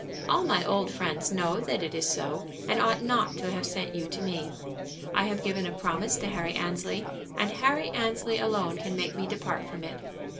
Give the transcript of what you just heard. "All my old friends know that it is so, and ought not to have sent you to me. I have given a promise to Harry Annesley, and Harry Annesley alone can make me depart from it."